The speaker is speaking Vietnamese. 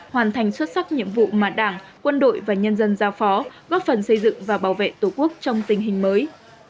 hoàn thành xuất sắc nhiệm vụ mà đảng quân đội và nhân dân giao phó góp phần xây dựng và bảo vệ tổ quốc trong tình hình mới